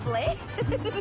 ウフフフ。